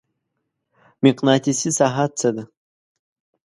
مقناطیسي ساحه څه ده؟